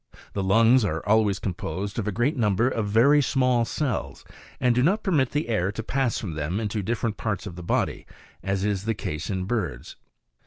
The lungs are always composed of a great number of very small cells, and do not permit the air to pass from them into different parts of the body, as is the case in birds.